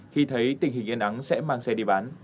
khi thấy tình hình yên ắng sẽ mang xe đi